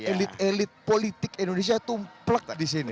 elit elit politik indonesia itu plek di sini